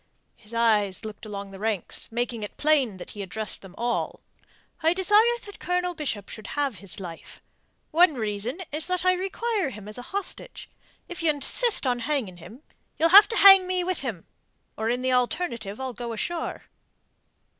His eyes looked along the ranks, making it plain that he addressed them all. "I desire that Colonel Bishop should have his life. One reason is that I require him as a hostage. If ye insist on hanging him, ye'll have to hang me with him, or in the alternative I'll go ashore."